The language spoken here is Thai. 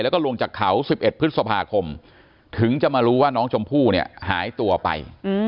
แล้วก็ลงจากเขา๑๑พฤษภาคมถึงจะมารู้ว่าน้องชมพู่เนี่ยหายตัวไป